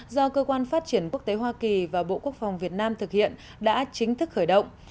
do cơ quan phát triển quốc tế hoa kỳ và bộ quốc phòng việt nam thực hiện đã chính thức khởi động